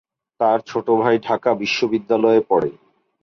তার ছোট ভাই ঢাকা বিশ্ববিদ্যালয়ে পড়ে।